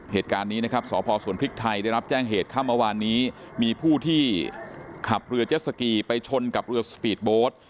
เหตุการณ์นี้นะครับสพสวนพริกไทยได้รับแจ้งเหตุค่ำเมื่อวานนี้มีผู้ที่ขับเรือเจ็ดสกีไปชนกับเรือสปีดโบสต์